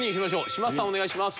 嶋佐さんお願いします。